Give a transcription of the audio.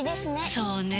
そうねぇ。